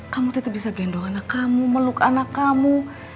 kamu tidak bisa gendong anak kamu meluk anak kamu